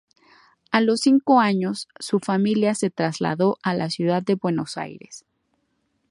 A los cinco años su familia se trasladó a la ciudad de Buenos Aires.